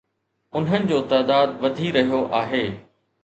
انهن جو تعداد وڌي رهيو آهي